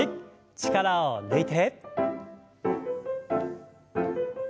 力を抜いて。